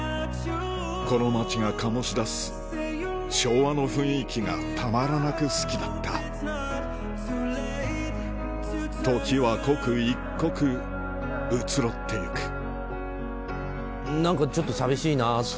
この街が醸し出す昭和の雰囲気がたまらなく好きだった時は刻一刻移ろっていく何かちょっと寂しいなっていう。